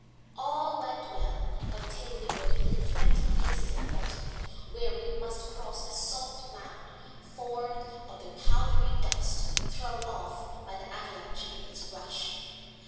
All went well until we were within twenty paces of the bottom, where we must cross a soft mound formed of the powdery dust thrown off by the avalanche in its rush.